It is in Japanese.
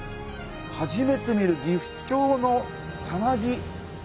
初めて見るギフチョウのさなぎ。